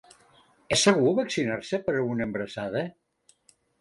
És segur vaccinar-se per a una embarassada?